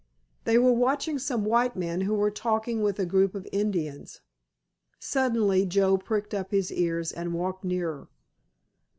They were watching some white men who were talking with a group of Indians. Suddenly Joe pricked up his ears and walked nearer.